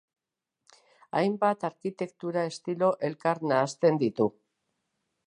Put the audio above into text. Hainbat arkitektura estilo elkar nahasten ditu.